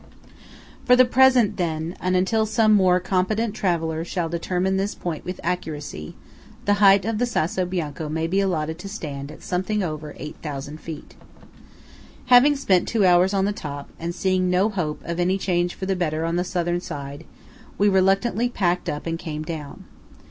For the present, then, and until some more competent traveller shall determine this point with accuracy, the height of the Sasso Bianco may be allowed to stand at something over 8,000 feet. Having spent two hours on the top, and seeing no hope of any change for the better on the Southern side, we reluctantly packed up and came down.